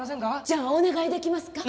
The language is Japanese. じゃあお願いできますか？